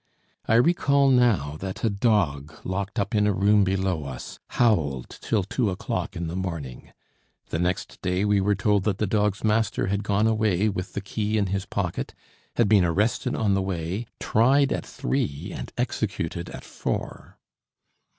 I recall now that a dog, locked up in a room below us, howled till two o'clock in the morning. The next day we were told that the dog's master had gone away with the key in his pocket, had been arrested on the way, tried at three, and executed at four.